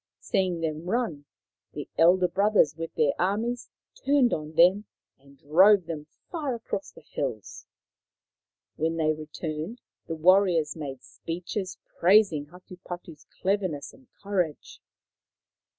Seeing them run, the elder brothers with their armies turned on them and drove them far across the hills. When they returned the warriors made speeches praising Hatupatu's cleverness and courage.